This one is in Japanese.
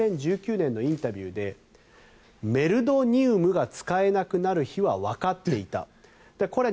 ２０１９年のインタビューでメルドニウムが使えなくなる日は分かっていた。